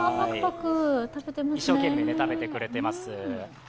一生懸命食べてくれています。